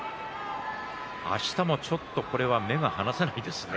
あしたもちょっと目が離せないですね